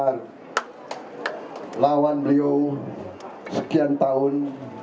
dan lawan beliau sekian tahun